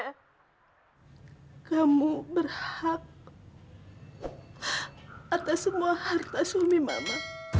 hai kamu berhak atas semua harta suami mama